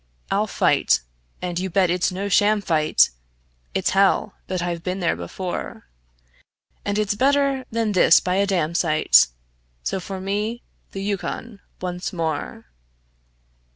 I'll fight and you bet it's no sham fight; It's hell! but I've been there before; And it's better than this by a damsite So me for the Yukon once more.